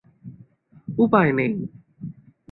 উপায় নেই।